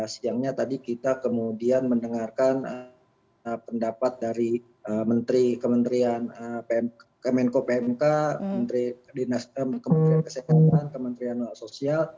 siangnya tadi kita kemudian mendengarkan pendapat dari menteri kementerian kemenko pmk menteri kesehatan kementerian nolak sosial